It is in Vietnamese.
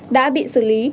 đã bị xử lý